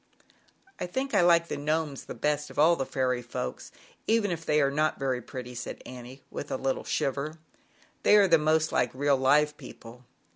" I think I like the Gnomes the best 4 of all the fairy folks, even if they are not very pretty," said Annie, with a little shiver. "They are the most like real live people."